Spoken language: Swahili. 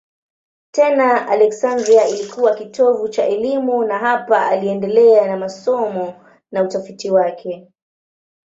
Tena Aleksandria ilikuwa kitovu cha elimu na hapa aliendelea na masomo na utafiti wake.